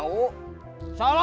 salah salah salah salah